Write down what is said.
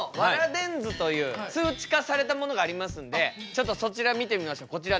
電図という数値化されたものがありますんでちょっとそちら見てみましょうこちらです。